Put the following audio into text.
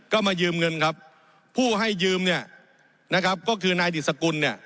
ก็มายืมเงินครับผู้ให้ยืมเนี่ยนะครับก็คือนายดิสกุลเนี่ย